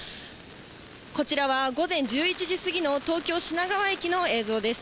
こちらは午前１１時過ぎの東京・品川駅の映像です。